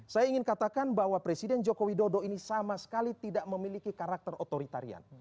saya ingin katakan bahwa presiden joko widodo ini sama sekali tidak memiliki karakter otoritarian